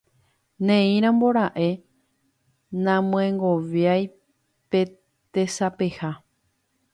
Ne'írambora'e namyengoviái pe tesapeha.